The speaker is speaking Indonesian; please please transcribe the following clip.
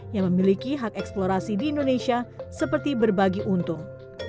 yang memiliki hak eksplorasi di indonesia seperti berbagi untung